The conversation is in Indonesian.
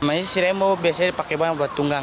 maksudnya si rembo biasanya dipakai banyak buat tunggang